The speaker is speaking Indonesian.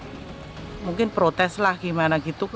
mungkin protes lah gimana gitu